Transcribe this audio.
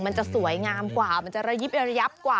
มันจะสวยงามกว่ามันจะระยิบระยับกว่า